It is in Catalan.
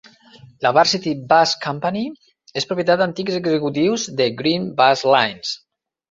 La Varsity Bus Company és propietat d'antics executius de Green Bus Lines.